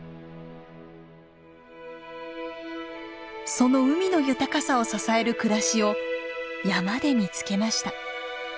その海の豊かさを支える暮らしを山で見つけました。